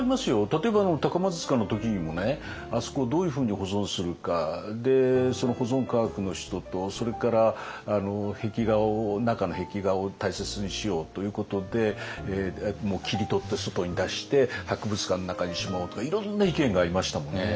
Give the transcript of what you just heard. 例えば高松塚の時にもねあそこをどういうふうに保存するかその保存科学の人とそれから中の壁画を大切にしようということで切り取って外に出して博物館の中にしまおうとかいろんな意見がありましたもんね。